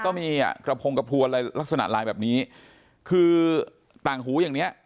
ก็มีอ่ะกระพงกระพวนอะไรลักษณะลายแบบนี้คือต่างหูอย่างเนี้ย